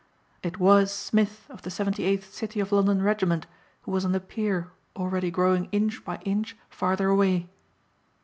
It was Smith of the 78th City of London regiment who was on the pier already growing inch by inch farther away.